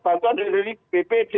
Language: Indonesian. bantuan dari bpd